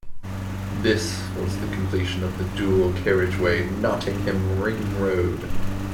This was the completion of the dual-carriageway Nottingham ring-road.